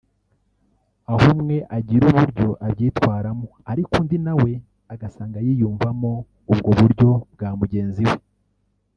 aho umwe agira uburyo abyitwaramo ariko undi na we agasanga yiyumvamo ubwo buryo bwa mugenzi we